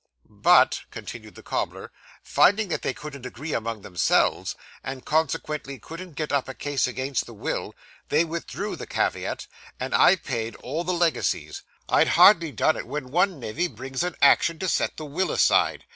'But,' continued the cobbler, 'finding that they couldn't agree among themselves, and consequently couldn't get up a case against the will, they withdrew the caveat, and I paid all the legacies. I'd hardly done it, when one nevy brings an action to set the will aside.